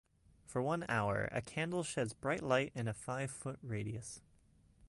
For one hour, a candle sheds bright light in a five foot radius